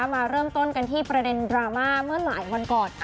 มาเริ่มต้นกันที่ประเด็นดราม่าเมื่อหลายวันก่อน